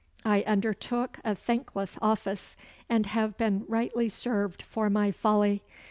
I undertook a thankless office, and have been rightly served for my folly.